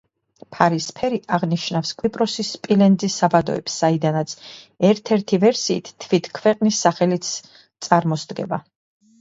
ფარის ფერი აღნიშნავს კვიპროსის სპილენძის საბადოებს, საიდანაც, ერთ-ერთი ვერსიით, თვით ქვეყნის სახელიც წარმოსდგება.